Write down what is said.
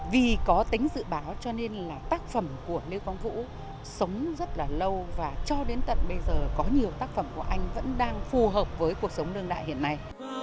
vì có tính dự báo cho nên là tác phẩm của lưu quang vũ sống rất là lâu và cho đến tận bây giờ có nhiều tác phẩm của anh vẫn đang phù hợp với cuộc sống đương đại hiện nay